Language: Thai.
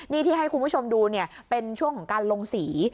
นี่ที่ให้คุณผู้ชมดูเนี่ยเป็นช่วงของการลงสี